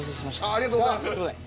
ありがとうございます。